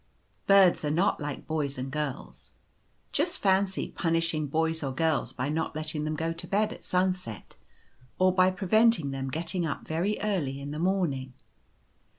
Birds are not like boys and girls. Just fancy punishing boys or girls by not letting them go to bed at sunset, or by preventing them getting up very early in the morning.